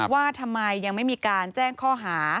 ว่าทำไมยังไม่มีการแจ้งข้อหา